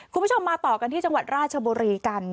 คุณผู้ชมมาต่อกันที่จังหวัดราชบุรีกัน